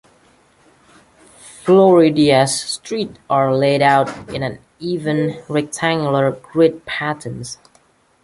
Floridia's streets are laid out in an even, rectangular grid pattern.